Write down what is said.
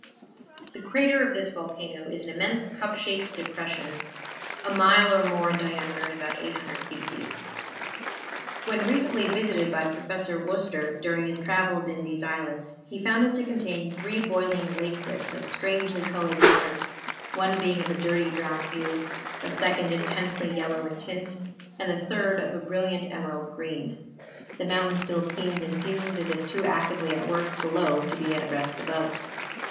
The crater of this volcano is an immense, cup shaped depression, a mile or more in diameter and about 800 feet deep. When recently visited by Professor Worcester, during his travels in these islands, he found it to contain three boiling lakelets of strangely colored water, one being of a dirty brown hue, a second intensely yellow in tint, and the third of a brilliant emerald green. The mountain still steams and fumes, as if too actively at work below to be at rest above.